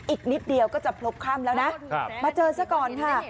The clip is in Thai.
อีกนิดเดียวก็จะพบค่ำแล้วนะมาเจอซะก่อนค่ะ